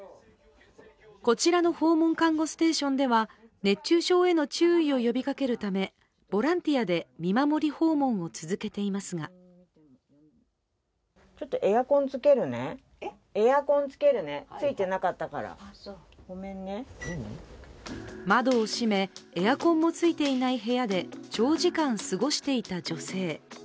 こちらの訪問看護ステーションでは熱中症への注意を呼びかけるため、ボランティアで見守り訪問を続けていますが窓を閉め、エアコンもついていない部屋で長時間過ごしていた女性。